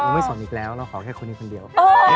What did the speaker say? ไม่สนอีกแล้วเราขอแค่คนนี้คนเดียว